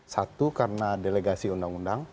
satu karena delegasi undang undang